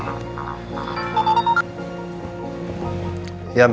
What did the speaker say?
tepat iya ada